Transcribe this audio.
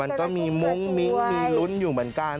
มันก็มีมุ้งมิ้งมีลุ้นอยู่เหมือนกัน